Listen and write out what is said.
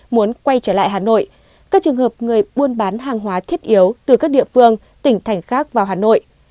muốn quay trở lại hà nội các trường hợp người buôn bán hàng hóa thiết yếu từ các địa phương tỉnh thành khác vào hà nội